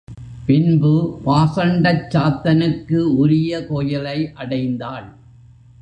பின்பு பாசண்டச் சாத்தனுக்கு உரிய கோயிலை அடைந்தாள்.